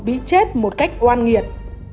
bị chết một cách oan nghiệt